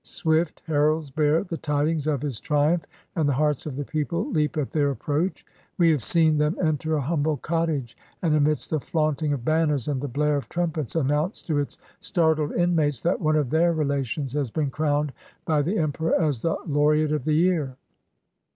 Swift heralds bear the tidings of his triumph, and the hearts of the people leap at their approach. We have seen them enter a humble cottage, and amidst the flaunting of banners and the blare of trumpets announce to its startled inmates that one of their relations has been crowned by the emperor as the laureate of the year.